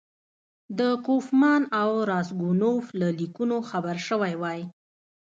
د کوفمان او راسګونوف له لیکونو خبر شوی وای.